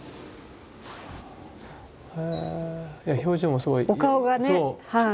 表情もすごい。